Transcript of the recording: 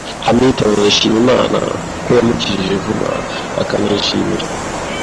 Hamilton arashima Imana ko yamukijije vuba, akanayishimira